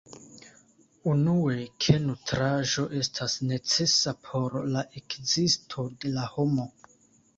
Unue, ke nutraĵo estas necesa por la ekzisto de la homo.